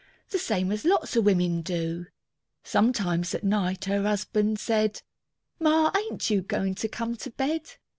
The same as lots of wimmin do; Sometimes at night her husban' said, "Ma, ain't you goin' to come to bed?"